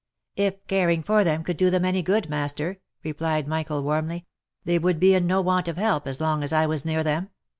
" If caring for them could do them any good, master," replied Michael, warmly, " they would be in no want of help, as long as I was near them.